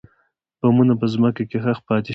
بمونه په ځمکه کې ښخ پاتې شول.